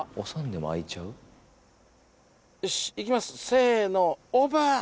せーのオープン。